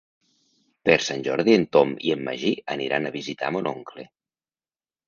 Per Sant Jordi en Tom i en Magí aniran a visitar mon oncle.